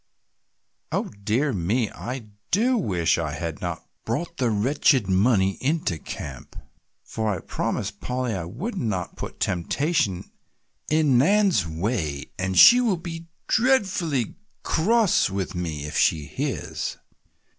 "Oh dear me, I do wish I had not brought the wretched money into camp, for I promised Polly I would not put temptation in Nan's way and she will be dreadfully cross with me if she hears!"